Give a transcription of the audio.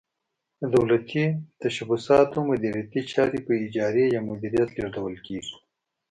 د دولتي تشبثاتو مدیریتي چارې په اجارې یا مدیریت لیږدول کیږي.